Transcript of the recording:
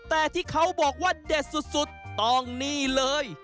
แต่ที่เขาบอกว่าเด็ดสุดต้องนี่เลย